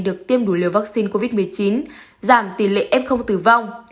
được tiêm đủ liều vaccine covid một mươi chín giảm tỷ lệ f tử vong